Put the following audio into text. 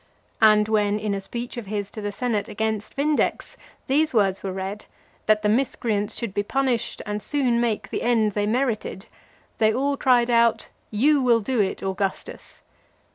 And when, in a speech of his to the senate against Vindex, these words were read, "that the miscreants should be punished and soon make the end they merited," they all cried out, "You will do it, Augustus."